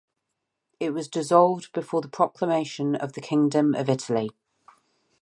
It was dissolved before the proclamation of the Kingdom of Italy.